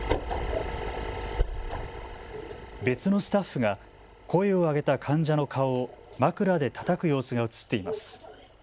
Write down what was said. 別のスタッフが声を上げた患者の顔を枕でたたく様子が写っています。